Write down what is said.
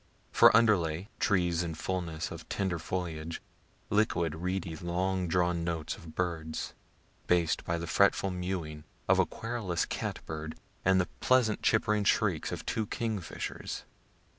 For underlay, trees in fulness of tender foliage liquid, reedy, long drawn notes of birds based by the fretful mewing of a querulous cat bird, and the pleasant chippering shriek of two kingfishers.